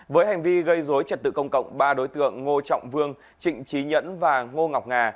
với hành vi gây dối trật tự công cộng ba đối tượng ngô trọng vương trịnh trí nhẫn và ngô ngọc nga